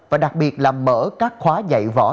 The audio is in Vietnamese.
và đặc biệt là mở các khóa dạy vỏ